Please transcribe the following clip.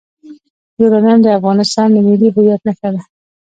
یورانیم د افغانستان د ملي هویت نښه ده.